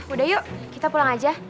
udah yuk kita pulang aja